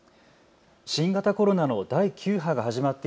新型コロナの第９波が始まって